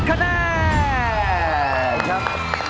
ครับ